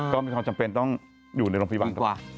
ก็มีความจำเป็นต้องอยู่ในโรงพยาบาลดีกว่า